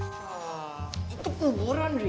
ah itu kuburan ridwan